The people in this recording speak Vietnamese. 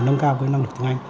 nâng cao cái năng lượng tiếng anh